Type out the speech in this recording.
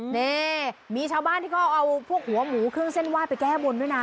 นี่มีชาวบ้านที่เขาเอาพวกหัวหมูเครื่องเส้นไหว้ไปแก้บนด้วยนะ